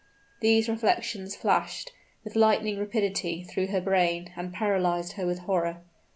These reflections flashed, with lightning rapidity, through her brain, and paralyzed her with horror.